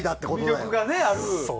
魅力がね、ある。